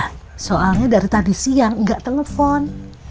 udah soalnya dari tadi siang enggak telepon